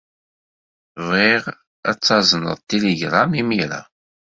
Bɣiɣ ad tazneḍ itiligṛam-a imir-a.